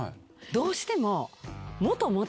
どうしても。